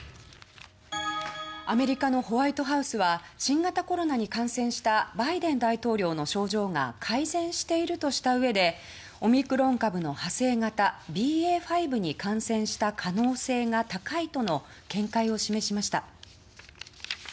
アメリカのホワイトハウスは新型コロナに感染したバイデン大統領の症状が改善しているとした上でオミクロン株の派生型ＢＡ．５に感染した可能性が高いとの見解を示しました。